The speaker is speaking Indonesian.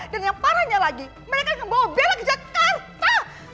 dan yang parahnya lagi mereka yang bawa bella ke jakarta